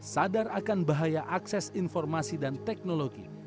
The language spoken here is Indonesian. sadar akan bahaya akses informasi dan teknologi